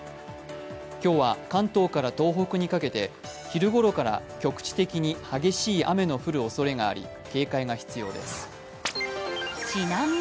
今日は関東から東北にかけて昼ごろから局地的に激しい雨の降るおそれがあり、警戒が必要です。